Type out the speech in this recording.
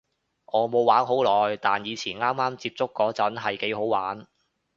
我冇玩好耐，但以前啱啱接觸嗰陣係幾好玩